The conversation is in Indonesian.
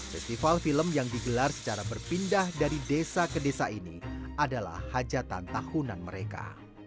festival film yang digelar secara berpindah dari desa ke desa ini adalah hajatan tahunan mereka